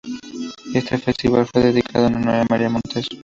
Este festival fue dedicado en honor a María Montez.